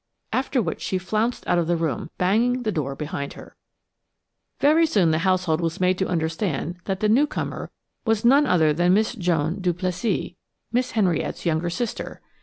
After which she flounced out of the room, banging the door behind her. Very soon the household was made to understand that the newcomer was none other than Miss Joan Duplessis, Miss Henriette's younger sister.